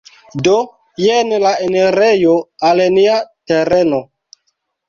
Do, jen la enirejo al nia tereno